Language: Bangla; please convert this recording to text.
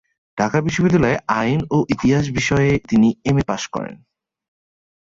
ঢাকা বিশ্ববিদ্যালয়ে আইন ও ইতিহাস বিষয়ে তিনি এম এ পাশ করেন।